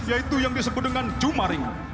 yaitu yang disebut dengan jumaring